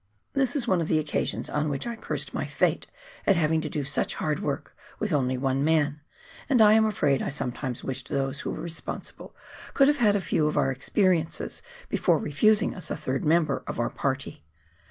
This is one of the occasions on which I cursed my fate at having to do such hard work with only one man, and I am afraid I sometimes wished those who were responsible could have had a few of our experiences before refusing us a third member of our party.